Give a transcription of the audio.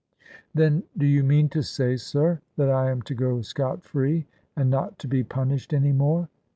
" Then do you mean to say, sir, that I am to go scot free and not to be punished any more?